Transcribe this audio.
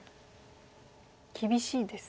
厳しいですね。